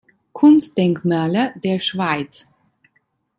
Kunstdenkmäler der Schweiz.